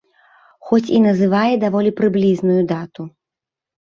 Хоць і называе даволі прыблізную дату.